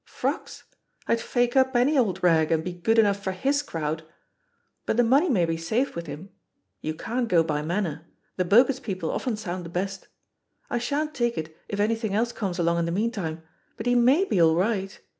Frocks? I'd fake up any old rag and be good enough for hi» crowd. But the money may be safe with him — you can't go by manner ; the bogus people often sound the best. I shan't take it if anything else comes along in the meantime, but he maff be all right.